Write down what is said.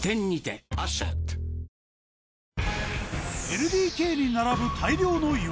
ＬＤＫに並ぶ大量の岩